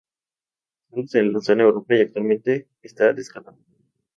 Sólo se lanzó en Europa y actualmente está descatalogado.